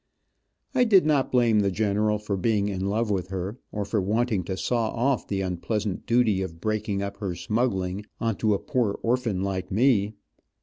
I did not blame the general for being in love with her, or for wanting to saw off the unpleasant duty of breaking up her smuggling, on to a poor orphan like me.